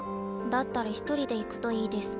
だったら一人で行くといいデス。